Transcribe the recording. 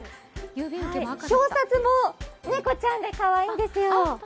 表札も猫ちゃんでかわいいんですよ。